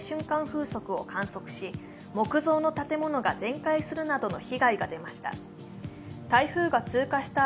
風速を観測し、木造の建物が全壊するなどの被害が出ました。